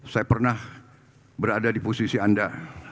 saya pernah berada di posisi anda